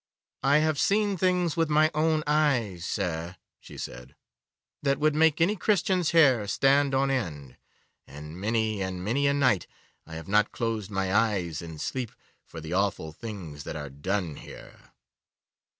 'I have seen things with my own eyes, sir,' she said, 'that would make any Christian's hair stand on end, and many and many a night I have not closed my eyes in sleep for the awful things that are done here.